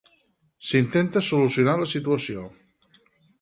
S'intenta solucionar la situació.